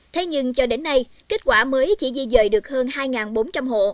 thế nhưng cho đến nay kết quả mới chỉ di dời được hơn hai bốn trăm linh hộ